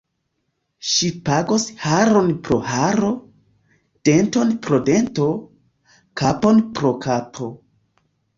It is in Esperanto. Ŝi pagos haron pro haro, denton pro dento, kapon pro kapo.